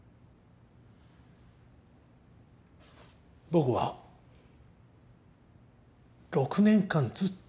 僕は６年間ずっと。